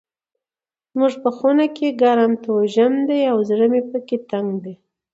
زموږ په خونه کې ګرم توژم ده او زړه مې پکي تنګ ده.